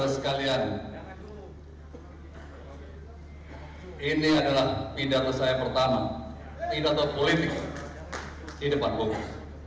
saudara saudara sekalian ini adalah pidato saya pertama pidato politik di depan bum